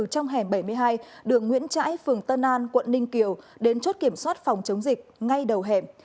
trong hẻm bảy mươi hai đường nguyễn trãi phường tân an quận ninh kiều đến chốt kiểm soát phòng chống dịch ngay đầu hẻm